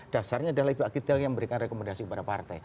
dasarnya adalah kita yang memberikan rekomendasi kepada partai